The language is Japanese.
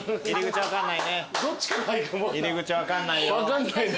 入り口分かんないね。